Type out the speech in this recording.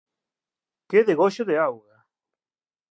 Que degoxo de auga!